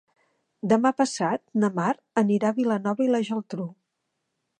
Demà passat na Mar anirà a Vilanova i la Geltrú.